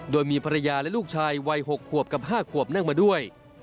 โดยมีภรรยาและลูกชายวัย๖ขวบกับ๕ขวบนั่งมาด้วย